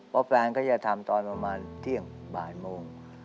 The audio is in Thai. เพราะแฟนเขาจะทำตอนประมาณเที่ยงบ่ายโมง